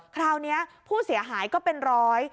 คราวนี้ผู้เสียหายก็เป็นร้อย